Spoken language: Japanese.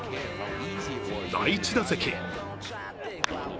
第１打席。